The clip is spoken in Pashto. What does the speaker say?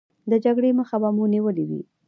د جګړو مخه به مو نیولې وي.